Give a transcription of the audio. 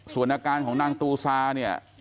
ส่วนอาการของนางตูซาเนี่ย